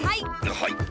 はい。